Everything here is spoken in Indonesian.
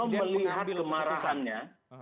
kalau melihat kemarahannya